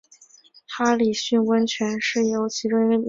哈里逊温泉原称圣雅丽斯泉其中一个女儿命名。